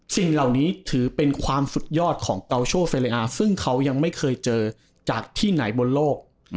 สิ่งเหล่านี้ถือเป็นความสุดยอดของเกาโชเซเลอาซึ่งเขายังไม่เคยเจอจากที่ไหนบนโลก